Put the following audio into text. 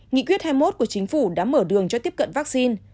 nghị quyết hai mươi một của chính phủ đã mở đường cho tiếp cận vaccine